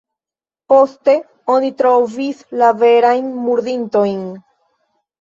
Poste oni trovis la verajn murdintojn.